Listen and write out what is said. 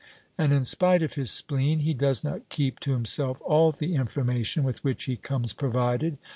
And in spite of his spleen he does not keep to himself all the information with which he comes provided.